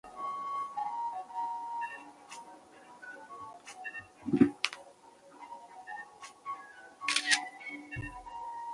目前京台高速公路的北京至福州段均已通车。